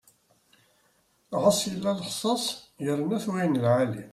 Ɣas yella lixsas yerna-t wayen n lɛali.